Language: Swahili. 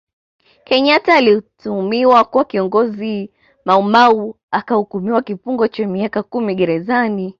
Kenyatta alituhumiwa kuwa kiongozi wa maumau akahukumiwa kifungo cha miaka kumi gerezani